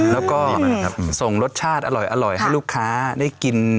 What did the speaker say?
แล้วก็ส่งรสชาติอร่อยให้ลูกค้าได้กิน